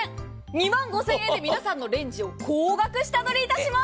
２万５０００円で皆様のレンジを高額下取りいたします。